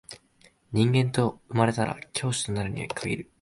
人間と生まれたら教師となるに限る